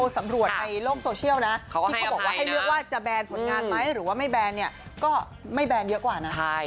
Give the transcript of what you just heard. แต่เมื่อที่ดูโพส์สำรวจในโลกโซเชียลนะ